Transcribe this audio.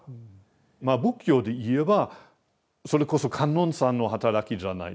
仏教で言えばそれこそ観音さんの働きじゃないですか。